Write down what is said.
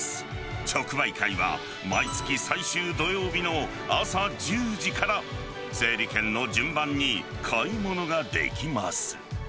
直売会は、毎月最終土曜日の朝１０時から、整理券の順番に買い物ができます。